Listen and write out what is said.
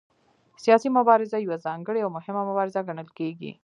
سیاسي مبارزه یوه ځانګړې او مهمه مبارزه ګڼل کېږي